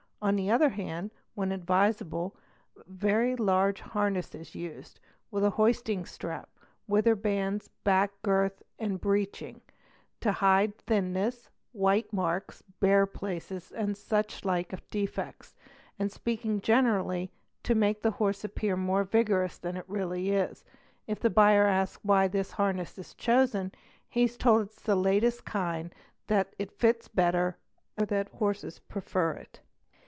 On The other hand, when advisable, very large harness is used, with a hoisting trap, wither bands, back girth, and a breeching, to hide thinness, white arks, bare places, or suchlike defects, or, speaking generally, to make the 2 appear more vigorous than it really is. If the buyer asks why this ness is chosen, he is told it is the latest kind, that it fits better, or that rses prefer it.